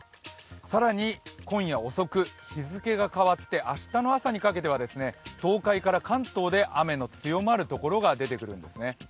更に今夜遅く、日付が変わって明日の朝にかけては東海から関東で雨が強まるところが出てくるんですね。